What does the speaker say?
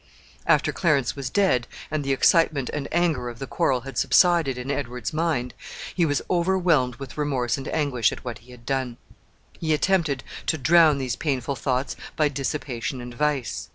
] After Clarence was dead, and the excitement and anger of the quarrel had subsided in Edward's mind, he was overwhelmed with remorse and anguish at what he had done. He attempted to drown these painful thoughts by dissipation and vice.